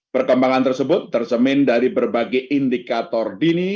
perkembangan tersebut tercemin dari berbagai indikator dini